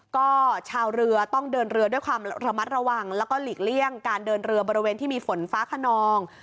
ก็ชาวเรือต้องเดินเรือด้วยความระมัดระวังแล้วก็หลีกเลี่ยงการเดินเรือบริเวณที่มีฝนฟ้าขนอง